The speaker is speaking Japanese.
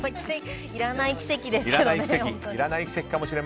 いらない奇跡ですけどね。